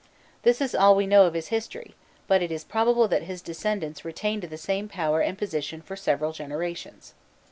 This is all we know of his history, but it is probable that his descendants retained the same power and position for several generations.